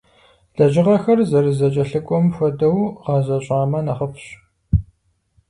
Лэжьыгъэхэр зэрызэкӏэлъыкӏуэм хуэдэу гъэзэщӏамэ нэхъыфӏщ.